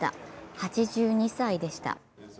８２歳でした。